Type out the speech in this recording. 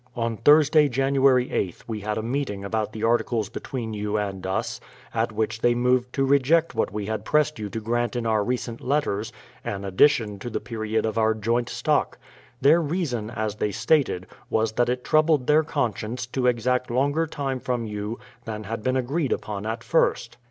On Thursday, Jan. 8th, we had a meeting about the articles between you and us, ♦He means Mr. John Robinson. 136 BRADFORD'S HISTORY OF at which they moved to reject what we had pressed you to grant in our recent letters, — an addition to the period of our joint stock. Their reason, as they stated, was that it troubled their conscience to exact longer time from you than had been agreed upon at first.